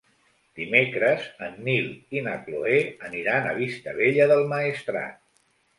Dimecres en Nil i na Cloè aniran a Vistabella del Maestrat.